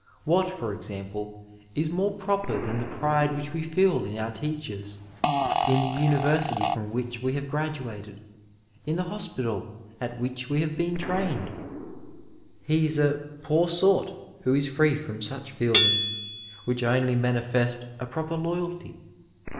What, for example, is more proper than the pride which we feel in our teachers, in the university from which we have graduated, in the hospital at which we have been trained ? He is a ^' poor sort " who is free from such feelings, which only manifest a proper loyalty.